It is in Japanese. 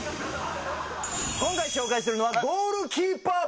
今回紹介するのはゴールキーパー部門。